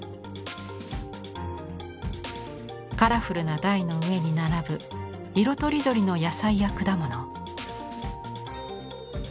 カラフルな台の上に並ぶ色とりどりの野菜や果物。